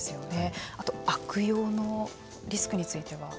あと悪用のリスクについては？